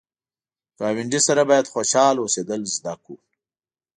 ګاونډي سره باید خوشحال اوسېدل زده کړو